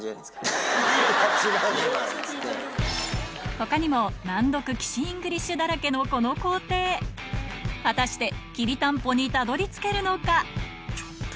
他にも難読岸イングリッシュだらけのこの工程果たしてきりたんぽにたどり着けるのか？